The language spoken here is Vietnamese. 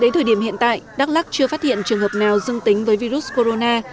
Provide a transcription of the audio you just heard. đến thời điểm hiện tại đắk lắc chưa phát hiện trường hợp nào dương tính với virus corona